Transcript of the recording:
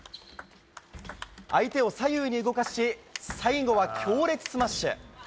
相手を左右に動かし、最後は強烈スマッシュ。